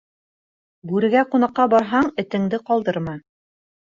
Бүрегә ҡунаҡҡа барһаң, этенде ҡалдырма.